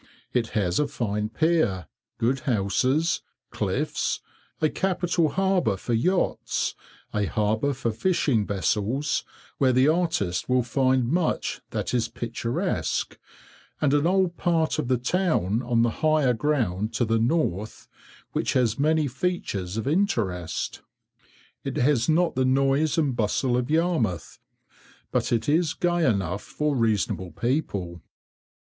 It has a fine pier, good houses, cliffs, a capital harbour for yachts, a harbour for fishing vessels, where the artist will find much that is picturesque, and an old part of the town on the higher ground to the north, which has many features of interest. It has not the noise and bustle of Yarmouth, but it is gay enough for reasonable people.